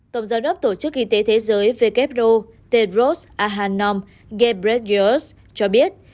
tổng giám đốc tổ chức y tế thế giới who tedros adhanom ghebreyesus cho biết